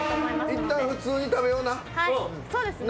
いったん普通に食べような。